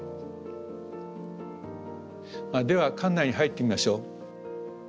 では館内に入ってみましょう。